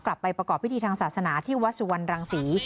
กลับไปประกอบพิธีทางศาสนาที่วัดสุวรรณรังศรี